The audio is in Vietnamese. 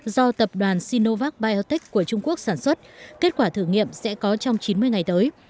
do tập đoàn sinovac biotech của trung quốc sản xuất kết quả thử nghiệm sẽ có trong chín mươi ngày tới